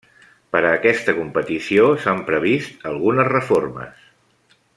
Per a aquesta competició s'han previst algunes reformes.